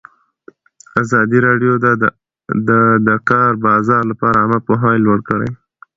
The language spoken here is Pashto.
ازادي راډیو د د کار بازار لپاره عامه پوهاوي لوړ کړی.